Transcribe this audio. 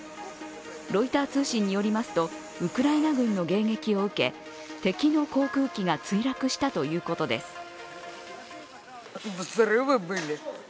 ロイター通信によりますとウクライナ軍の迎撃を受け敵の航空機が墜落したということです。